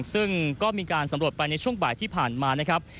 ซึ่งก็มีการสำรวจไปในช่วงบ่ายที่ผ่านมานะครับ